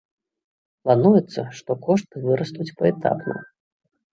Плануецца, што кошты вырастуць паэтапна.